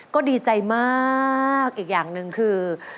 ก็ดีใจมากอีกอย่างหนึ่งคือ